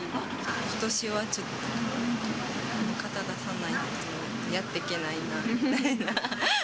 ことしはちょっと肩出さないとやってけないなみたいな。